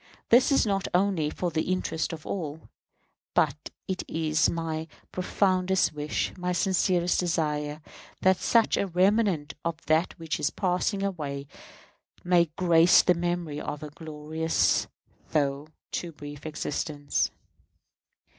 This is not only for the interest of all, but it is my profoundest wish, my sincerest desire, that such remnant of that which is passing away may grace the memory of a glorious though too brief existence.